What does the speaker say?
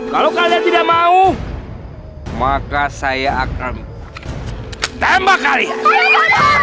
kalau kalian tidak mau maka saya akan tembak kalian